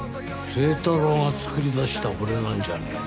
星太郎が作り出した俺なんじゃねえの？